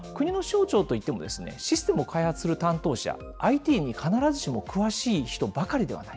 国の省庁といっても、システムを開発する担当者、ＩＴに必ずしも詳しい人ばかりではない。